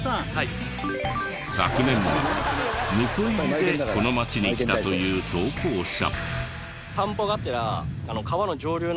昨年末婿入りでこの町に来たという投稿者。